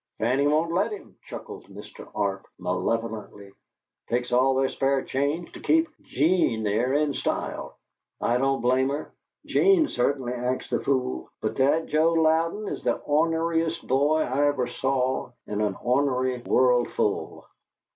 "Fanny won't let him," chuckled Mr. Arp, malevolently. "Takes all their spare change to keep 'Gene there in style. I don't blame her. 'Gene certainly acts the fool, but that Joe Louden is the orneriest boy I ever saw in an ornery world full."